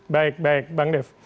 baik baik bang dev